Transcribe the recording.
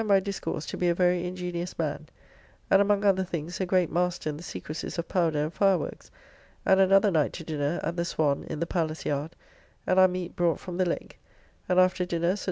] who I find by discourse to be a very ingenious man, and among other things a great master in the secresys of powder and fireworks, and another knight to dinner, at the Swan, in the Palace yard, and our meat brought from the Legg; and after dinner Sir W.